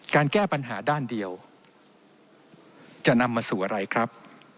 แก้ปัญหาด้านเดียวจะนำมาสู่อะไรครับ